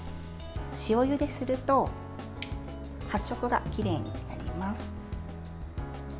塩ゆですると発色がきれいになります。